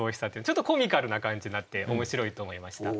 ちょっとコミカルな感じになって面白いと思いました。